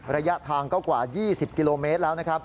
ระยะทางก็กว่า๒๐กิโลเมตรแล้ว